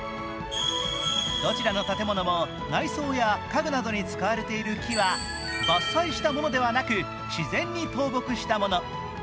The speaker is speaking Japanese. どちらの建物も内装や家具などに使われている木は伐採したものではなく、自然に倒木したもの。